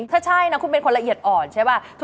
ถ้าใช่ครัวเป็นคนละเอียดหอดใช่ไหม